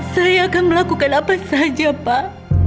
saya akan melakukan apa saja pak